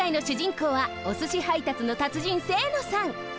こうはおすし配達の達人清野さん。